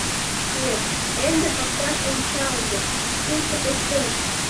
Кӧ, ынде пакчаш ончалде, тушто коштеш?